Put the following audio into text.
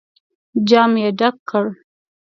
جام يې ډک کړ.